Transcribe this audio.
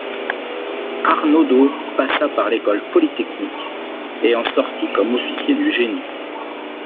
Arnaudeau passa par l'École polytechnique, et en sortit comme officier du génie.